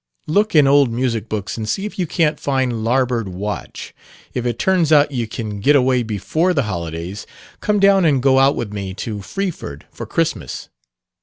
Look in old music books and see if you can't find 'Larboard Watch.' If it turns out you can get away before the holidays, come down and go out with me to Freeford for Christmas.